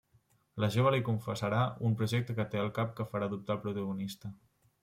La jove li confessarà un projecte que té al cap que farà dubtar el protagonista.